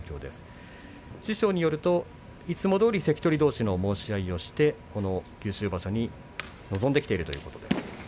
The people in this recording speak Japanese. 師匠によりますといつもどおり関取どうしの申し合いをしてこの九州場所に臨んできているという話です。